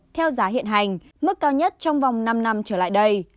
theo giá hiện hành mức cao nhất trong vòng năm năm trở lại đây